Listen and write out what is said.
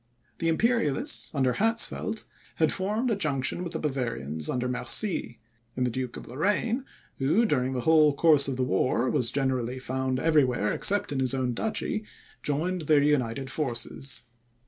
The Imperialists, under Hatzfeldt, had formed a junction with the Bavarians under Mercy; and the Duke of Lorraine, who, during the whole course of the war, was generally found everywhere except in his own duchy, joined their united forces.